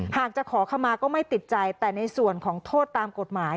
หากจะขอขมาก็ไม่ติดใจแต่ในส่วนของโทษตามกฎหมาย